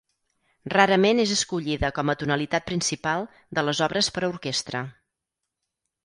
Rarament és escollida com a tonalitat principal de les obres per a orquestra.